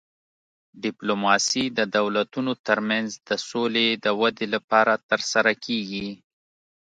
ډیپلوماسي د دولتونو ترمنځ د سولې د ودې لپاره ترسره کیږي